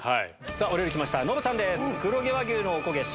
お料理来ましたノブさんです。